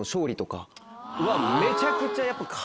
めちゃくちゃやっぱ。